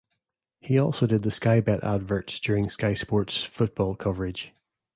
He also did the Sky Bet adverts during Sky Sports football coverage.